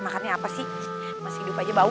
makannya apa sih mas hidup aja bau